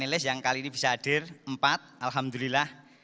dan tim anilis yang kali ini bisa hadir empat alhamdulillah